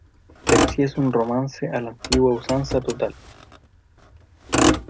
pero si es un romance a la antigua usanza total.